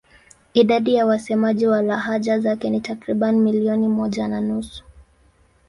Idadi ya wasemaji wa lahaja zake ni takriban milioni moja na nusu.